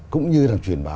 cũng như là truyền bá